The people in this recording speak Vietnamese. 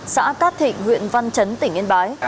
xã cát thịnh huyện văn chấn tỉnh yên bái